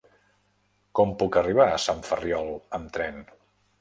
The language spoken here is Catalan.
Com puc arribar a Sant Ferriol amb tren?